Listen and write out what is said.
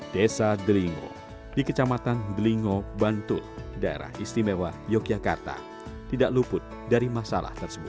desa delingo di kecamatan delingo bantul daerah istimewa yogyakarta tidak luput dari masalah tersebut